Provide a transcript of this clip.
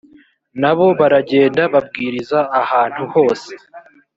na bo baragenda babwiriza ahantu hose